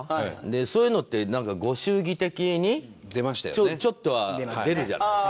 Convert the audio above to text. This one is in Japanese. そういうのってなんかご祝儀的にちょっとは出るじゃないですか。